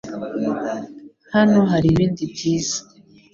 Hano haribindi byiza .